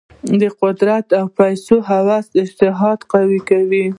د قدرت او پیسو هوس اشتها قوي کړې.